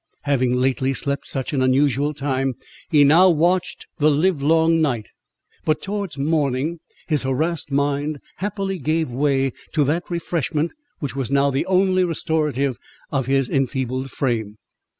Having lately slept such an unusual time, he now watched the live long night; but towards morning, his harassed mind happily gave way to that refreshment which was now the only restorative of his enfeebled frame.